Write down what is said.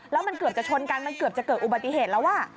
แล้วมันเกือบจะชนกันมันเกือบจะเกิดอุบัติเหตุแล้ว